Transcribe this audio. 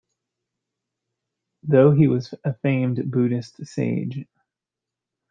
Though he was a famed Buddhist sage.